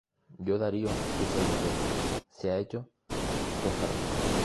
Yo Darío puse el decreto: sea hecho prestamente.